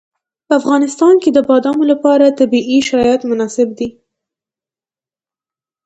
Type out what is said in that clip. په افغانستان کې د بادامو لپاره طبیعي شرایط مناسب دي.